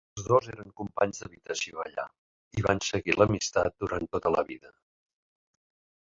Els dos eren companys d'habitació allà i van seguir l'amistat durant tota la vida.